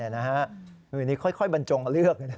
อยู่นี้ค่อยบัญจงเลือก